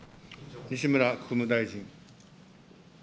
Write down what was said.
西村国務大臣。